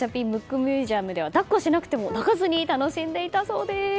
ミュージアムでは抱っこしなくても泣かずに楽しんでいたそうです。